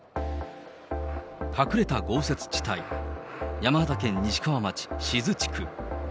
隠れた豪雪地帯、山形県西川町志津地区。